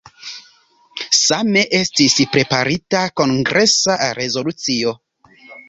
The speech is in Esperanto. Same estis preparita kongresa rezolucio.